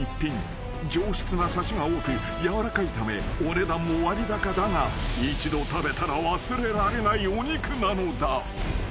［上質なサシが多く軟らかいためお値段も割高だが一度食べたら忘れられないお肉なのだ］